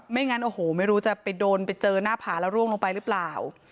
งั้นโอ้โหไม่รู้จะไปโดนไปเจอหน้าผาแล้วร่วงลงไปหรือเปล่า